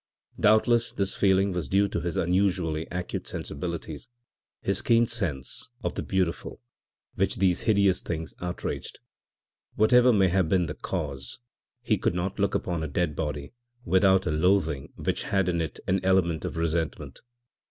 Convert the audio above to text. Doubtless this feeling was due to his unusually acute sensibilities his keen sense of the beautiful, which these hideous things outraged. Whatever may have been the cause, he could not look upon a dead body without a loathing which had in it an element of resentment.